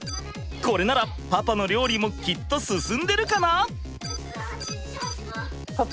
これならパパの料理もきっと進んでるかな？